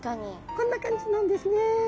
こんな感じなんですね。